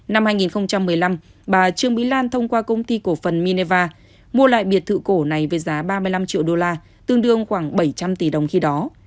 năm hai nghìn một mươi năm bà trương mỹ lan thông qua công ty cổ phần mineva mua lại biệt thự cổ này với giá ba mươi năm triệu đô la tương đương khoảng bảy trăm linh tỷ đồng khi đó